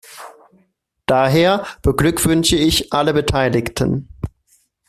Daher beglückwünsche ich alle Beteiligten.